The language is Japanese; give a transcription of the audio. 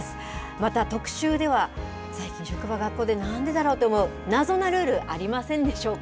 また、特集では最近、職場、学校でなんでだろうと思う、謎なルール、ありませんでしょうか？